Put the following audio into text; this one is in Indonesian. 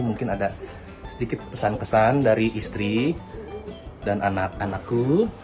mungkin ada sedikit pesan pesan dari istri dan anak anakku